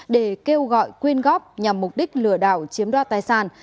để kêu gọi quyên góp nhằm mục đích lừa đảo chiếm đoạt tài sản